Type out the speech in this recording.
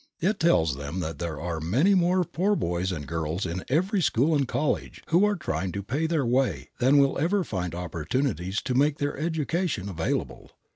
It tells them that there are many more poor boys and girls in every school and college who are trying to pay their way than will ever find opportunities to make their education available.